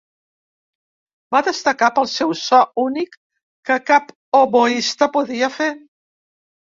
Va destacar pel seu so únic que cap oboista podia fer.